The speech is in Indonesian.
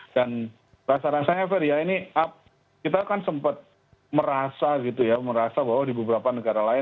dan rasanya rasanya ferd kita kan sempet merasa gitu ya bahwa di beberapa negara lain